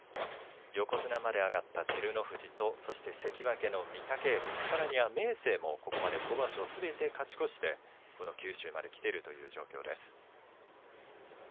横綱まで上がった照ノ富士と関脇の御嶽海、さらには明生もここまで５場所すべて勝ち越してこの九州に来ているという状況です。